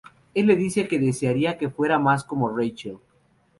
Él le dice que desearía que fuera más como Rachel.